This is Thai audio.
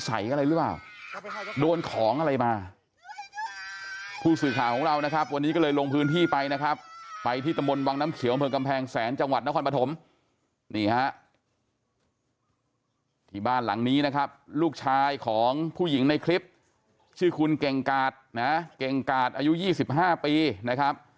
ทุกคนครับสวัสดีคุณพระอาทิตย์ทุกคนครับสวัสดีคุณพระอาทิตย์ทุกคนครับสวัสดีคุณพระอาทิตย์ทุกคนครับสวัสดีคุณพระอาทิตย์ทุกคนครับสวัสดีคุณพระอาทิตย์ทุกคนครับสวัสดีคุณพระอาทิตย์ทุกคนครับสวัสดีคุณพระอาทิตย์ทุกคนครับสวัสดีคุณพระอาทิตย์ทุกคนคร